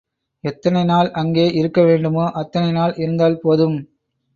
எத்தனை நாள் அங்கே இருக்கவேண்டுமோ அத்தனை நாள் இருந்தால் போதும்.